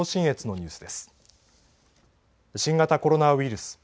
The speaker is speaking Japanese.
新型コロナウイルス。